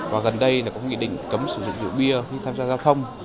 và gần đây là có nghị định cấm sử dụng rượu bia khi tham gia giao thông